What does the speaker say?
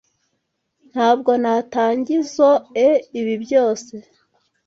Ntabwo natangizoe ibi byose.